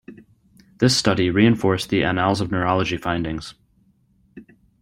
This study reinforced the Annals of Neurology findings.